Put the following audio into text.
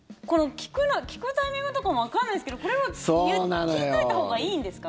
聞くタイミングとかもわかんないですけどこれは聞いておいたほうがいいんですか？